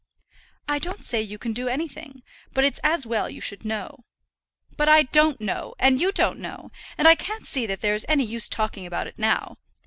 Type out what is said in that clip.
"I don't say you can do anything; but it's as well you should know." "But I don't know, and you don't know; and I can't see that there is any use talking about it now.